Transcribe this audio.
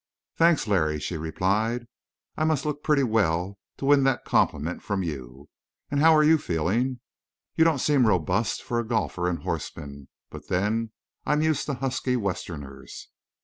"Thanks, Larry," she replied. "I must look pretty well to win that compliment from you. And how are you feeling? You don't seem robust for a golfer and horseman. But then I'm used to husky Westerners."